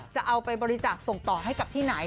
จะเอาไปบริจาคส่งต่อให้กับที่ไหน